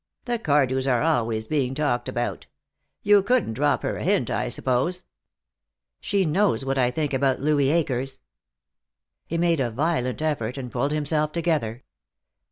"The Cardews are always being talked about. You couldn't drop her a hint, I suppose?" "She knows what I think about Louis Akers." He made a violent effort and pulled himself together.